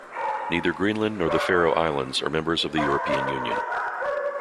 Neither Greenland nor the Faroe Islands are members of the European Union.